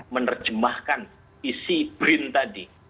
menerjemahkan isi print tadi